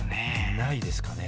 ないですかね？